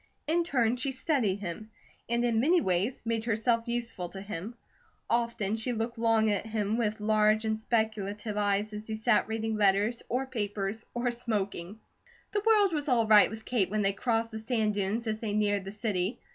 In turn she studied him, and in many ways made herself useful to him. Often she looked at him with large and speculative eyes as he sat reading letters, or papers, or smoking. The world was all right with Kate when they crossed the sand dunes as they neared the city.